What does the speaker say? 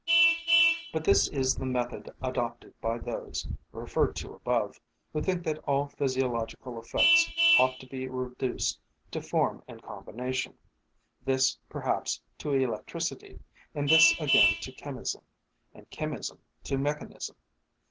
But this is the method adopted by those, referred to above, who think that all physiological effects ought to be reduced to form and combination, this, perhaps, to electricity, and this again to chemism, and chemism to mechanism.